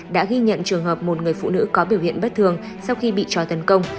đã ghi nhận trường hợp một người phụ nữ có biểu hiện bất thường sau khi bị chói tấn công